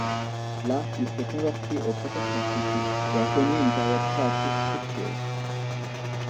Là, il s'est converti au protestantisme et a connu une période créatrice fructueuse.